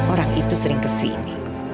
orang itu sering kesini